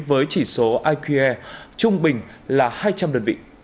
với chỉ số iq air trung bình là hai trăm linh đơn vị